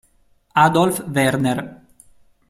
Adolf Werner